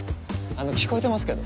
あの聞こえてますけど。